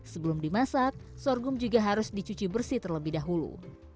sebelum dimasak sorghum juga harus dicuci bersih terlebih dahulu